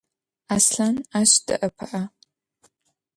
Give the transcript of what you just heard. Aslhan aş de'epı'e.